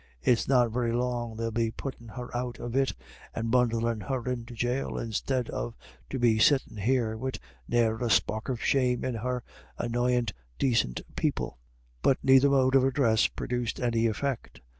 It's not very long they'll be puttin' her out of it, and bundlin' her into jail, instead of to be sittin' there, wid ne'er a spark of shame in her, annoyin' dacint people." But neither mode of address produced any effect.